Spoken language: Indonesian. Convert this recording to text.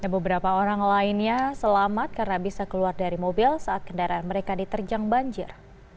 beberapa orang lainnya selamat karena bisa keluar dari mobil saat kendaraan mereka diterjang banjir